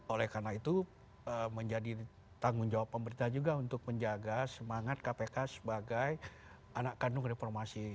oleh karena itu menjadi tanggung jawab pemerintah juga untuk menjaga semangat kpk sebagai anak kandung reformasi